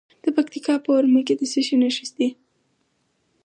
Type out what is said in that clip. د پکتیکا په ورممی کې د څه شي نښې دي؟